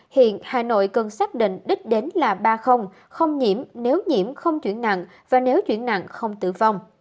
hiện hà nội cần xác định đích đến là ba không nhiễm nếu nhiễm không chuyển nặng và nếu chuyển nặng không tử vong